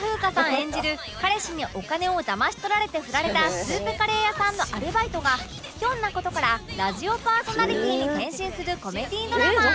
演じる彼氏にお金をだまし取られてフラれたスープカレー屋さんのアルバイトがひょんな事からラジオパーソナリティーに転身するコメディドラマ